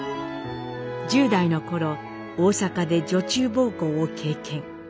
１０代の頃大阪で女中奉公を経験。